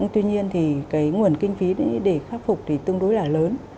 tuy nhiên thì cái nguồn kinh phí để khắc phục thì tương đối là lớn